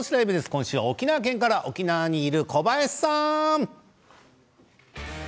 今週は沖縄県から沖縄にいる小林さん！